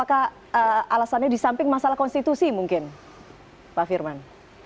apa alasannya di samping masalah konstitusi mungkin pak firman